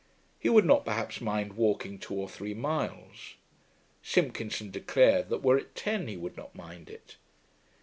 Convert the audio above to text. He would not perhaps mind walking two or three miles. Simpkinson declared that were it ten he would not mind it.